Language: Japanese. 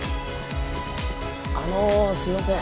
あのすいません